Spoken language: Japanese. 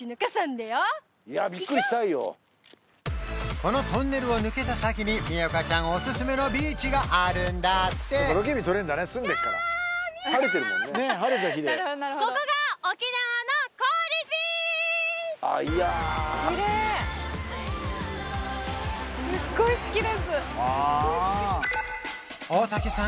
このトンネルを抜けた先に澪花ちゃんおすすめのビーチがあるんだって大竹さん